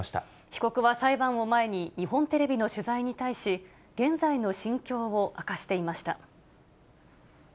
被告は裁判を前に、日本テレビの取材に対し、現在の心境を明かしていました。